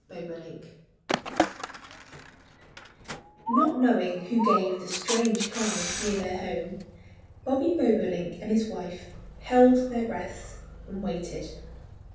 BOBOLINK Not knowing who gave the strange cry near their home, Bobby Bobolink and his wife held their breaths and waited.